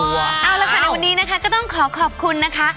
เอาละค่ะในวันนี้นะคะก็ต้องขอขอบคุณนะคะ